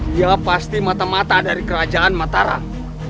dia pasti mata mata dari kerajaan mataram